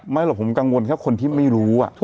หรอกผมกังวลแค่คนที่ไม่รู้